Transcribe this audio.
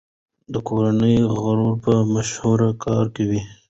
د کورنۍ غړي په مشوره کار کوي.